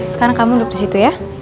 sekarang kamu duduk disitu ya